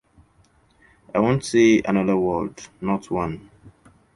I won’t say another word — not one.